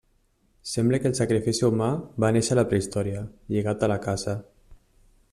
Sembla que el sacrifici humà va néixer a la prehistòria, lligat a la caça.